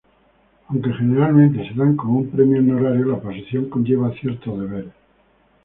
Aunque generalmente se dan como un premio honorario, la posición conlleva ciertos deberes.